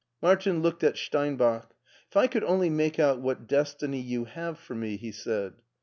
Martin looked at Steinbach. " If I could only make out what destiny yoti have for me," he said.